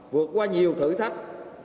vượt qua nhiều thử thách